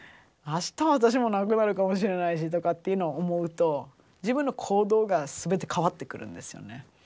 あした私も亡くなるかもしれないしとかっていうのを思うと自分の行動が全て変わってくるんですよね。